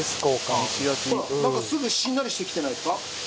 ほらなんかすぐしんなりしてきてないですか？